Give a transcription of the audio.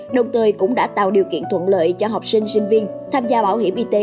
đồng thời cũng đã tạo điều kiện thuận lợi cho học sinh sinh viên tham gia bảo hiểm y tế